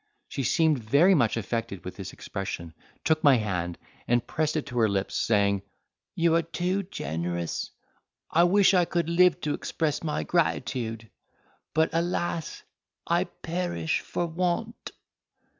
She seemed very much affected with this expression, took my hand, and pressed it to her lips, saying, "You are too generous! I wish I could live to express my gratitude—but alas! I perish for want."